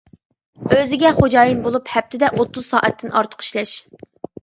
ئۆزىگە خوجايىن بولۇپ، ھەپتىدە ئوتتۇز سائەتتىن ئارتۇق ئىشلەش.